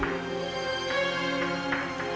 saya punya kepala gila